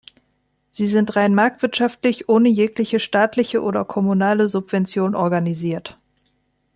Sie sind rein marktwirtschaftlich ohne jegliche staatliche oder kommunale Subvention organisiert.